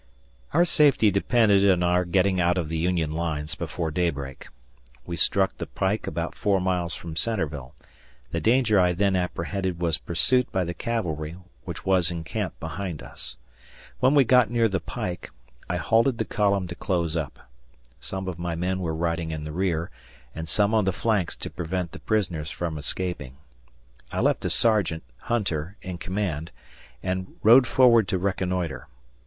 Our safety depended on our getting out of the Union lines before daybreak. We struck the pike about four miles from Centreville; the danger I then apprehended was pursuit by the cavalry, which was in camp behind us. When we got near the pike, I halted the column to close up. Some of my men were riding in the rear, and some on the flanks to prevent the prisoners from escaping. I left a sergeant, Hunter, in command and rode forward to reconnoitre.